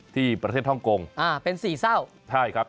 ที่ห้องกงเป็น๔เศร้า